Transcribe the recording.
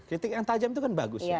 kritik yang tajam itu kan bagus